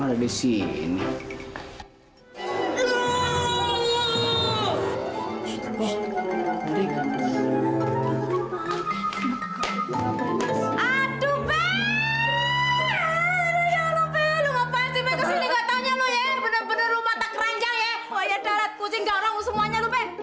haaa understanding understandingan gak ngerti gua